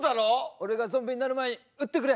「俺がゾンビになる前に撃ってくれ」。